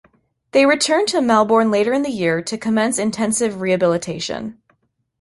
They returned to Melbourne later in the year to commence intensive rehabilitation.